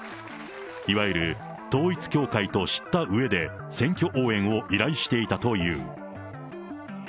いわゆる統一教会と知ったうえで、選挙応援を依頼していたという。